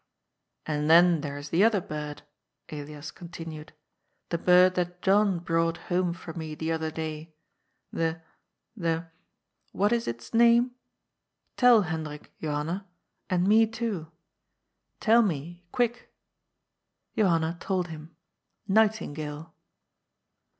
^^ And then there is the other bird," Elias continued, *^ the bird that John brought home for me the other day. The — the — ^what is its name ? Tell Hendrik, Johanna, and me too. Tell me, quick !" Johanna told him. " Nightingale."